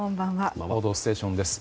「報道ステーション」です。